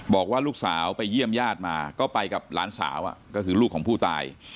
บอกว่าลูกสาวไปเยี่ยมญาติมาก็ไปกับหลานสาวก็คือลูกของผู้ตาย